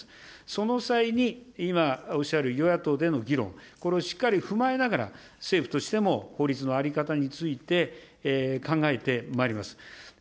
その際に今おっしゃる与野党での議論、これをしっかり踏まえながら、政府としても法律の在り方について考えてまいります。